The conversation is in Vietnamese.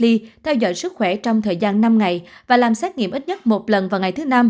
đi theo dõi sức khỏe trong thời gian năm ngày và làm xét nghiệm ít nhất một lần vào ngày thứ năm